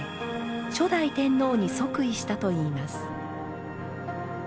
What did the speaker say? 初代天皇に即位したといいます。